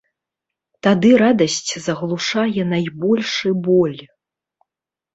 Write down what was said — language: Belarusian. Тады радасць заглушае найбольшы боль.